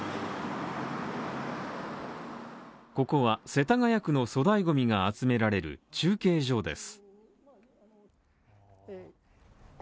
ここは、世田谷区の粗大ゴミが集められる中継所です。